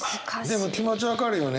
でも気持ち分かるよね。